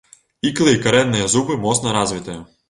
Іклы і карэнныя зубы моцна развітыя.